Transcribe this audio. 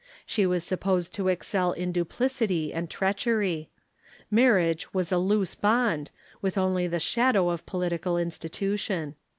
She was supposed to excel in duplicity and treachery. Marriage was a loose bond, Avith only the shadow of political institution.